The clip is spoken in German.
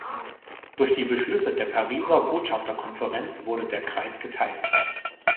Durch die Beschlüsse der Pariser Botschafterkonferenz wurde der Kreis geteilt.